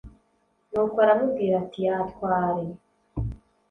nuko aramubwira ati yatware